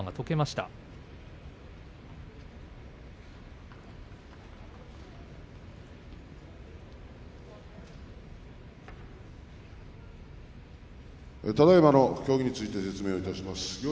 ただいまの協議について説明をいたします。